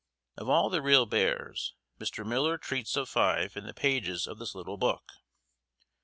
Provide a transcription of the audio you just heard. Of all the real bears, Mr. Miller treats of five in the pages of this little book.